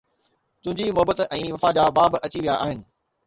تنهنجي محبت ۽ وفا جا باب اچي ويا آهن